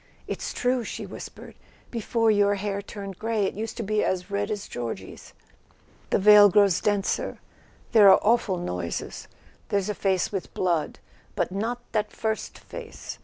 "It's true," she whispered, "before your hair turned grey it used to be as red as Georgie's." "The veil grows denser—there are awful noises; [ 245 ] A SON AT THE FRONT there's a face with blood—but not that first face.